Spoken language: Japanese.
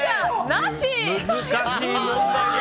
難しい問題だ。